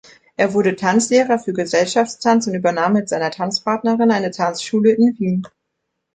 Er wurde Tanzlehrer für Gesellschaftstanz und übernahm mit seiner Tanzpartnerin eine Tanzschule in Wien.